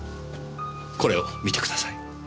これを見てください。